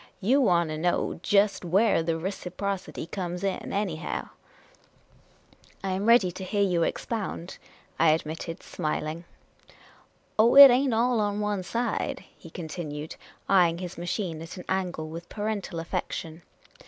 " You want to know jest where the reciprocity comes in, anyhow ?"" I am ready to hear you expound," I admitted, smil ing. Oh, it ain't all on one side," he continued, eying his machine at an angle with parental affection.